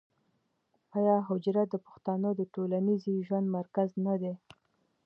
آیا حجره د پښتنو د ټولنیز ژوند مرکز نه دی؟